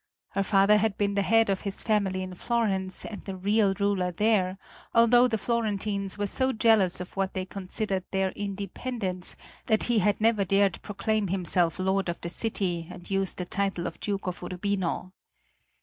Her father had been the head of his family in Florence and the real ruler there, although the Florentines were so jealous of what they considered their independence that he had never dared proclaim himself lord of the city and used the title of Duke of Urbino.